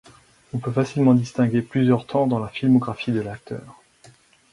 On peut facilement distinguer plusieurs temps dans la filmographie de l'acteur.